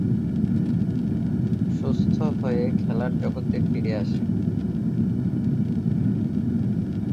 সুস্থ হয়ে খেলার জগতে ফিরে আসেন।